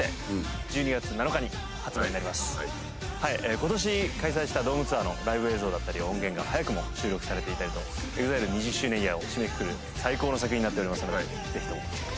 今年開催したドームツアーのライブ映像だったり音源が早くも収録されていたりとＥＸＩＬＥ２０周年イヤーを締めくくる最高の作品になっておりますのでぜひともチェックしてください。